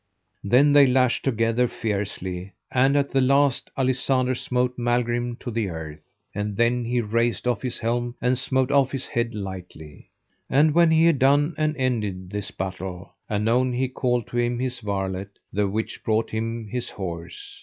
Then they lashed together fiercely, and at the last Alisander smote Malgrin to the earth. And then he raced off his helm, and smote off his head lightly. And when he had done and ended this battle, anon he called to him his varlet, the which brought him his horse.